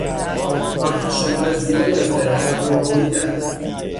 آنها شمار زیادی از درختان را بریدند.